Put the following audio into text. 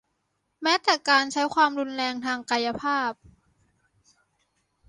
แม้แต่การใช้ความรุนแรงทางกายภาพ